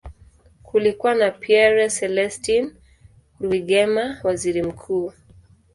Kulikuwa na Pierre Celestin Rwigema, waziri mkuu.